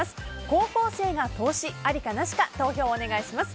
高校生が投資、ありか、なしか投票をお願いします。